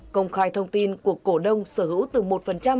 công khai thông tin của cổ đông sở hữu từ một